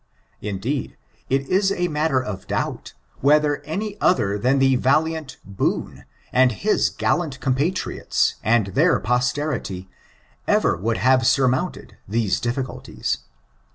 Indeed, it is matter of doubt, whether any other than the valiant Boone and his gallant compatriots and their posterity, ever would have surmounted these difficulties.